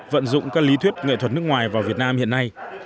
vận dụng các lý thuyết nghệ thuật nước ngoài vào việt nam hiện nay